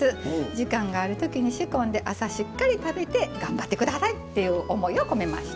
時間がある時に仕込んで朝しっかり食べて頑張って下さいっていう思いを込めました。